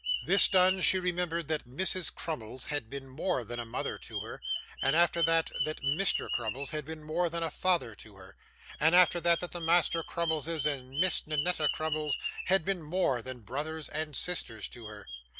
This done, she remembered that Mrs. Crummles had been more than a mother to her, and after that, that Mr. Crummles had been more than a father to her, and after that, that the Master Crummleses and Miss Ninetta Crummles had been more than brothers and sisters to her.